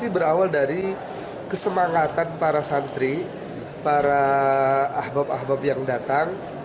berawal dari kesepakatan para santri para ahbab ahbab yang datang